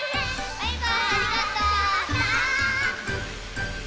バイバーイありがとう！